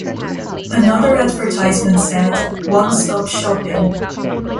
Another advertisement said, One-stop shopping.